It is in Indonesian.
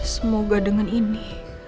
semoga dengan ini